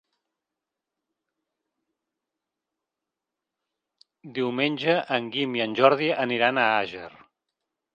Diumenge en Guim i en Jordi aniran a Àger.